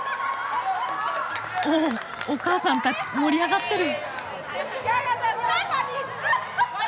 おおお母さんたち盛り上がってる！